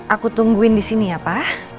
aku tungguin di sini ya pak